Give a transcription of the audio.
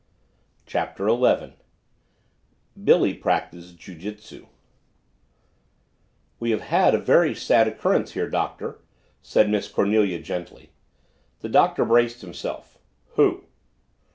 CHAPTER ELEVEN BILLY PRACTICES JIU JITSU "We have had a very sad occurrence here, Doctor," said Miss Cornelia gently. The Doctor braced himself. "Who?"